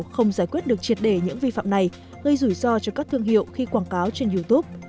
không giải quyết được triệt để những vi phạm này gây rủi ro cho các thương hiệu khi quảng cáo trên youtube